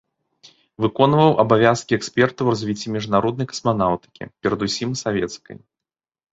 Выконваў абавязкі эксперта ў развіцці міжнароднай касманаўтыкі, перад усім савецкай.